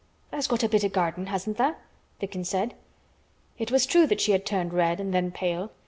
"Tha's got a bit o' garden, hasn't tha'?" Dickon said. It was true that she had turned red and then pale.